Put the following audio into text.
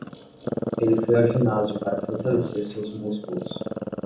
Ele foi ao ginásio para fortalecer seus músculos.